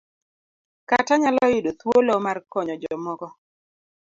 Kata nyalo yudo thuolo mar konyo jomoko.